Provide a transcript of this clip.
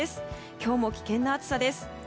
今日も危険な暑さです。